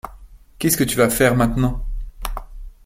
Qu’est-ce que tu vas faire, maintenant ?